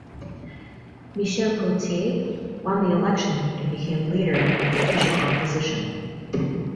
Michel Gauthier won the election and became Leader of the Official Opposition.